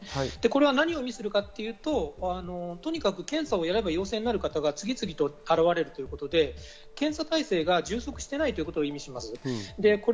何を意味するかというと、とにかく検査をやれば陽性になる方が次々と現れるということで検査体制が充足していないことを表します。